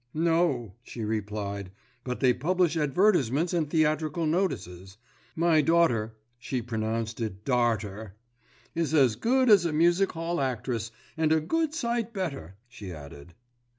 "No," she replied. "But they publish advertisements and theatrical notices. My daughter (she pronounced it 'darter') is as good as a music hall actress, and a good sight better," she added.